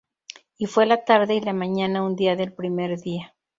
Y fue la tarde y la mañana un día del primer día.